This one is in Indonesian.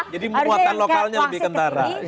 jadi membuatkan lokalnya lebih kendara